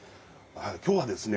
今日はですね